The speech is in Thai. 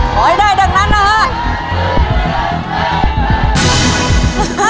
ขอให้ได้ดังนั้นนะฮะ